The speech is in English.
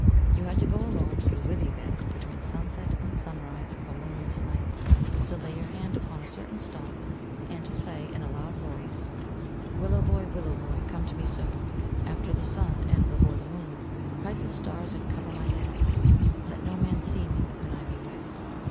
You had to go alone to the withy bed between sunset and sunrise of a moonless night, to lay your hand upon a certain stump and say, and in a loud voice: Willow boy, Willow boy, come to me soon, After the sun and before the moon. Hide the stars and cover my head; Let no man see me when I be wed.